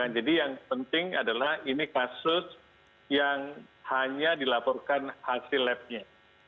jadi yang penting adalah ini kasus yang hanya dilaporkan hasil labnya